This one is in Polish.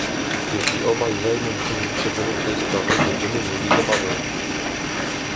"Jeśli obaj zajmą się wyśledzeniem tej sprawy będziemy mieli zabawę."